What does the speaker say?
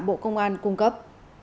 bộ công an cung cấp